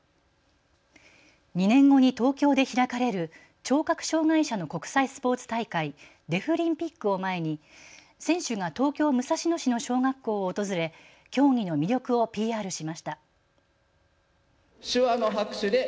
２年後に東京で開かれる聴覚障害者の国際スポーツ大会、デフリンピックを前に選手が東京武蔵野市の小学校を訪れ競技の魅力をＰＲしました。